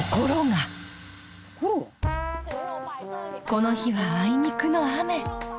この日はあいにくの雨。